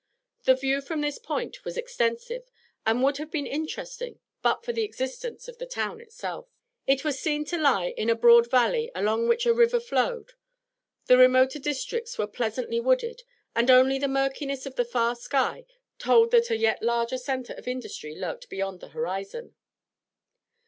The view from this point was extensive, and would have been interesting but for the existence of the town itself. It was seen to lie in a broad valley, along which a river flowed; the remoter districts were pleasantly wooded, and only the murkiness in the far sky told that a yet larger centre of industry lurked beyond the horizon.